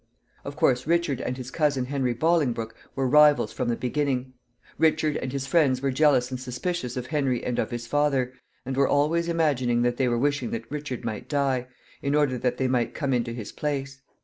Of course, Richard and his cousin Henry Bolingbroke were rivals from the beginning. Richard and his friends were jealous and suspicious of Henry and of his father, and were always imagining that they were wishing that Richard might die, in order that they might come into his place.